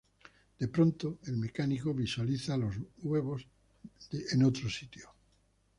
De pronto, el Mecánico visualiza los huevos en otro sitio.